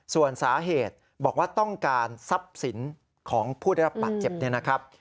ส่วนสาเหตุบอกว่าต้องการทรัพย์สินของผู้ได้รับปัดเจ็บ